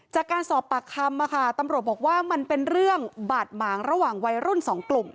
จากการสอบปากคำตำรวจบอกว่ามันเป็นเรื่องบาดหมางระหว่างวัยรุ่นสองกลุ่ม